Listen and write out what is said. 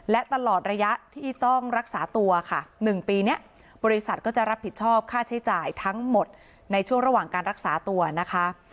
และตลอดระยะที่ต้องรักษาตัวค่ะ๑ปีนี้บริษัทก็จะรับผิดชอบค่าใช้จ่ายทั้งหมดในช่วงระหว่างการรักษาตัวนะคะ